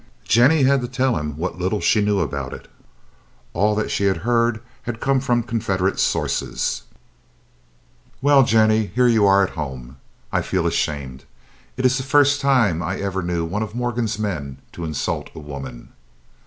Jennie had to tell him what little she knew about it. All that she had heard had come from Confederate sources. "Well, Jennie, here you are at home. I feel ashamed. It is the first time I ever knew one of Morgan's men to insult a woman."